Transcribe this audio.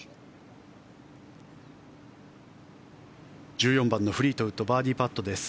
１４番のフリートウッドバーディーパットです。